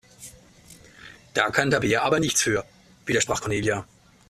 Da kann Tabea aber nichts für, widersprach Cornelia.